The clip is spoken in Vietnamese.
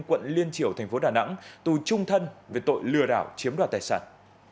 quận liên triểu tp đà nẵng tù trung thân về tội lừa đảo chiếm đoạt tài sản